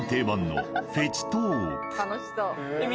楽しそう。